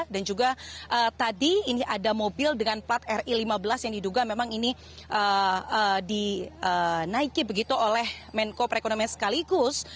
dan juga tadi ini ada mobil dengan plat ri lima belas yang diduga memang ini dinaiki oleh menko perekonomian sekaligus